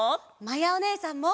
まやおねえさんも！